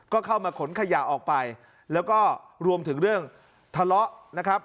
ก็เข้ามาขนขยะออกไปแล้วก็รวมถึงเรื่องทะเลาะนะครับ